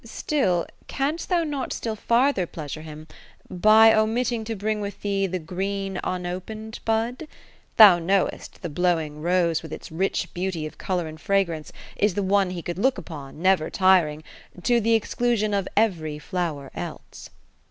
^ Still, canst thou not still farther pleasure him, by omitting to bring with thee the green, unopened bud ? Thou knoVst, the blowing rose, with its rich beauty of colour and fragrance, is the one he could look upon, never tiring, to the exclusion of every flower else."